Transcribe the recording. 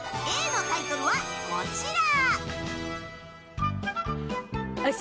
Ｂのタイトルが、こちら！